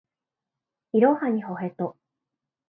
いろはにほへと